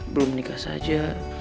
belum menikah saja